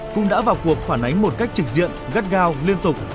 cũng đã vào cuộc phản ánh một cách trực diện gắt gao liên tục